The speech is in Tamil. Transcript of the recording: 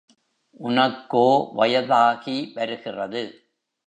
உனக்கோ வயதாகி வருகிறது.